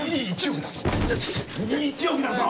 １億だぞ？